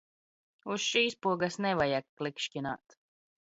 Uz šīs pogas nevajag klikšķināt.